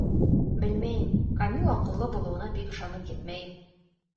— Белмәйем, камил аҡыллы булыуына бик ышанып етмәйем.